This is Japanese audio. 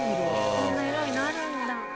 こんな色になるんだ。